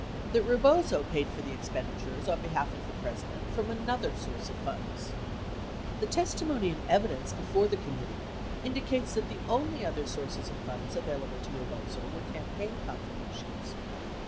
That Rebozo paid for the expenditures on behalf of the President from another source of funds. The testimony and evidence before the committee indicates that the only other sources of funds available to Rebozo were campaign contributions.